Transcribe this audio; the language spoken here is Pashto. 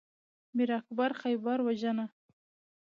د میر اکبر خیبر وژنه